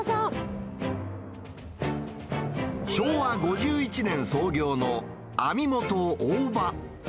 昭和５１年創業の網元おおば。